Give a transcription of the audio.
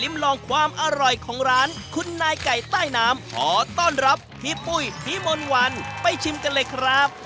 ลองความอร่อยของร้านคุณนายไก่ใต้น้ำขอต้อนรับพี่ปุ้ยพี่มนต์วันไปชิมกันเลยครับ